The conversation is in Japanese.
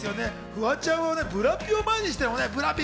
フワちゃん、ブラピを前にしてもブラピ！